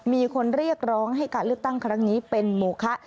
มีคนเรียกร้องให้การเลือกตั้งครั้งนี้เป็นโมคะ